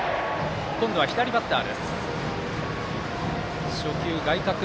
今度は左バッター。